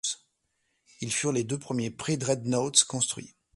Ils furent les deux derniers pré-dreadnoughts construits.